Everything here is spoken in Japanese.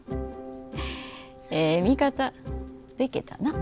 ええ味方でけたな。